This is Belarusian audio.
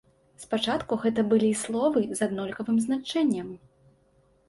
Спачатку гэта былі словы з аднолькавым значэннем.